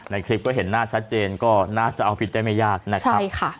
ในคลิปก็เห็นหน้าชัดเจนก็น่าจะเอาผิดได้ไม่ยากนะครับใช่ค่ะ